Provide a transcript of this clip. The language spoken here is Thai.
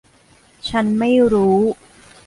ฉันไม่รู้